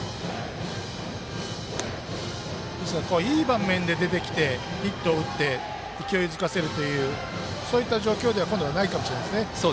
いい場面で出てきてヒットを打って勢いづかせるというそういった状況では今度はないかもしれませんね。